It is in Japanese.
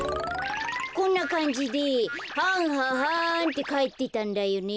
こんなかんじではんははんってかえってたんだよね。